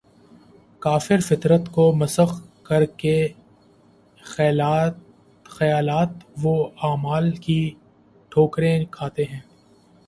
کافر فطرت کو مسخ کر کے خیالات و اعمال کی ٹھوکریں کھاتے ہیں